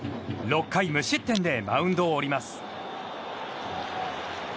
６回無失点でマウンドを降ります。